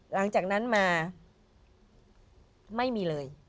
หลังจากนั้นมาไม่มีเลย